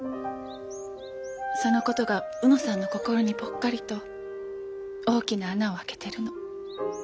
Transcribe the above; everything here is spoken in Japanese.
そのことが卯之さんの心にぽっかりと大きな穴を開けてるの。